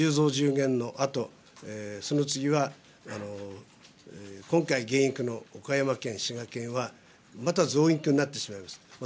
また、１０増１０減のあと、その次は今回、減員の岡山県、滋賀県はまた増員区になってしまいます。